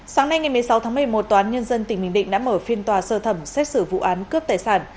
sáng nay ngày một mươi sáu tháng một mươi một tòa án nhân dân tỉnh bình định đã mở phiên tòa sơ thẩm xét xử vụ án cướp tài sản